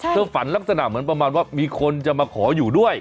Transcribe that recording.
ฝันลักษณะเหมือนประมาณว่ามีคนจะมาขออยู่ด้วย